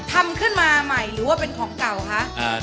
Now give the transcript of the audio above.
ทำขึ้นมาใหม่หรือว่าเป็นของเก่าคะ